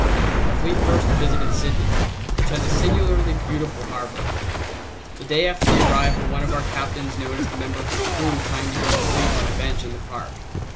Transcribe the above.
The fleet first visited Sydney, which has a singularly beautiful harbor. The day after the arrival one of our captains noticed a member of his crew trying to go to sleep on a bench in the park.